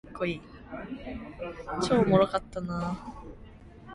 이번 시간에는 유클리드 기하학에 대해 배워 볼게요.